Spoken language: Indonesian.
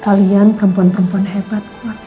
kalian perempuan perempuan hebat kuat